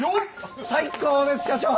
最高です社長！